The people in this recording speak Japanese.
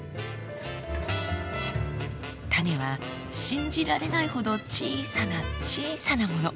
種は信じられないほど小さな小さなもの。